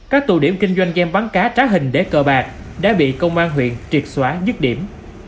các tụ điểm kinh doanh game bắn cá trá hình để cờ bạc đã bị công an huyện triệt xóa dứt điểm